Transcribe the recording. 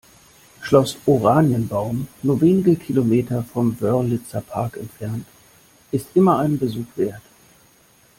Schloss Oranienbaum, nur wenige Kilometer vom Wörlitzer Park entfernt, ist immer einen Besuch wert.